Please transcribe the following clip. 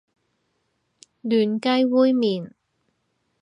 嫩雞煨麵